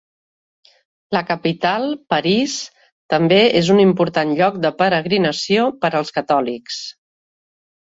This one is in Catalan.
La capital, París, també és un important lloc de peregrinació per als catòlics.